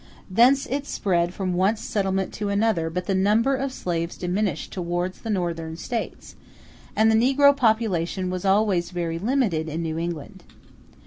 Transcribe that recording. Thence it spread from one settlement to another; but the number of slaves diminished towards the Northern States, and the negro population was always very limited in New England.